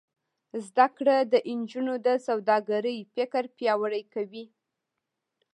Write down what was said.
زده کړه د نجونو د سوداګرۍ فکر پیاوړی کوي.